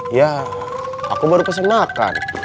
iya aku baru pesen makan